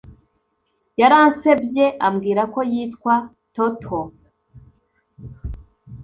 yaransebye, ambwira ko yitwa tuttle